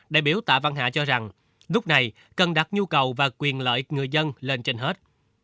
đại biểu tạ văn hạ cho rằng lúc này cần đặt nhu cầu và quyền lợi người dân lên trên hết